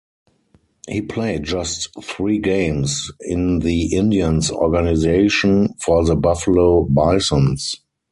He played just three games in the Indians organization for the Buffalo Bisons.